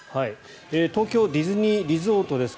東京ディズニーリゾートです。